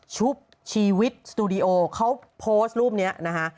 ชีวิตสตูดิโอเขาโพสต์รูปนี้นะคะ